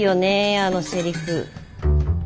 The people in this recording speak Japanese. あのセリフ。